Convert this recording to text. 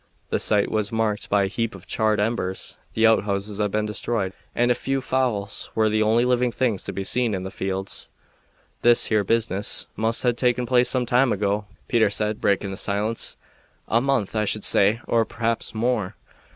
The site was marked by a heap of charred embers. The outhouses had been destroyed, and a few fowls were the only living things to be seen in the fields. "This here business must have taken place some time ago," Peter said, breaking the silence. "A month, I should say, or p'r'aps more."